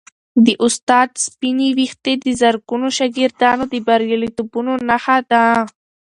د استاد سپینې ویښتې د زرګونو شاګردانو د بریالیتوبونو نښه ده.